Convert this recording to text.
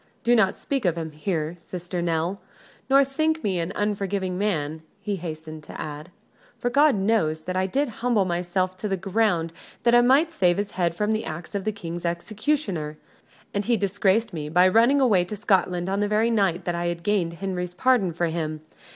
"Do not speak of him here, sister Nell nor think me an unforgiving man," he hastened to add, "for God knows that I did humble myself to the ground that I might save his head from the axe of the King's executioner! And he disgraced me by running away to Scotland on the very night that I had gained Henry's pardon for him.